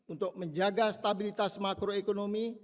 untuk menjaga stabilitas makroekonomi